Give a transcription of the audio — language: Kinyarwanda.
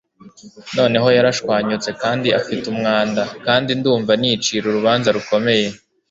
Noneho yarashwanyutse kandi afite umwanda, kandi ndumva nicira urubanza rukomeye